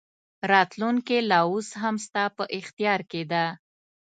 راتلونکې لا اوس هم ستا په اختیار کې ده.